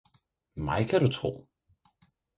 mig kan du tro!